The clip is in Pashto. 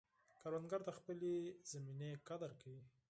کروندګر د خپلې زمینې قدر کوي